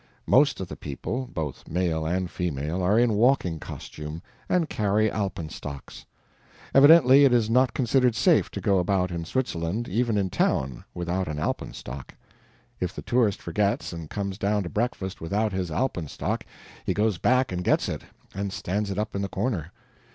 Most of the people, both male and female, are in walking costume, and carry alpenstocks. Evidently, it is not considered safe to go about in Switzerland, even in town, without an alpenstock. If the tourist forgets and comes down to breakfast without his alpenstock he goes back and gets it, and stands it up in the corner.